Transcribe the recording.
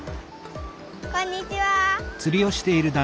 こんにちは。